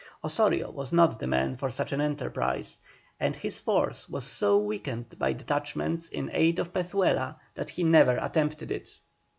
Osorio was not the man for such an enterprise, and his force was so weakened by detachments in aid of Pezuela, that he never attempted it.